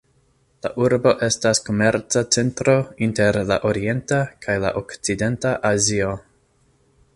La urbo estas komerca centro inter la orienta kaj la okcidenta Azio.